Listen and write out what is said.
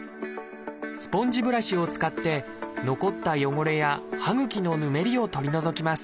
スポンジブラシを使って残った汚れや歯ぐきのぬめりを取り除きます。